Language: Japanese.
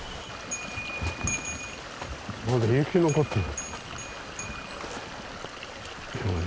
まだ雪残ってる。